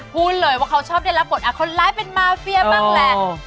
พูดเลยว่าเขาชอบดีลาบกดอาคอนร้ายเป็นมาแฟีย้บ้างแหละ